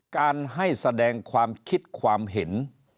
การให้แสดงความคิดความเห็น